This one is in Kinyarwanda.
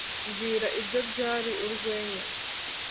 mbwira ibyo byari urwenya